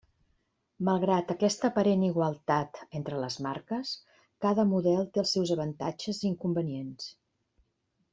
Malgrat aquesta aparent igualtat entre les marques, cada model té els seus avantatges i inconvenients.